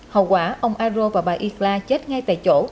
hậu quả ông aro và bà isla chết ngay tại chỗ